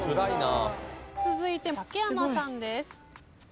続いて竹山さんです。